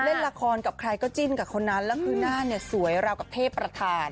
เล่นละครกับใครก็จิ้นกับคนนั้นแล้วคือหน้าเนี่ยสวยราวกับเทพประธาน